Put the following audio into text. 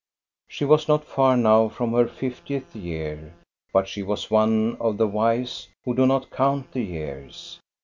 She was not far now from her fiftieth year, but she was one of the wise, who do not count the years.